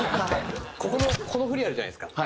この振りあるじゃないですか。